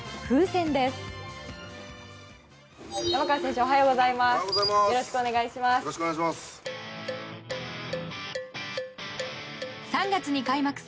おはようございます。